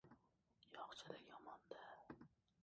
— Yo‘qchilik yomon-da.